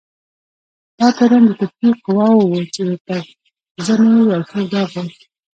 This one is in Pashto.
دا تورن د توپچي قواوو و چې پر زنې یې یو سور داغ و.